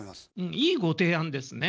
いいご提案ですね。